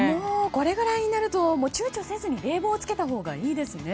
これくらいになるとちゅうちょせずに冷房をつけたほうがいいですね。